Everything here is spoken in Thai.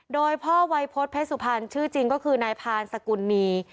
โดยพ่อวัยพฤษเพชรสุพรรณชื่อจริงก็คือนายพานสกุลนี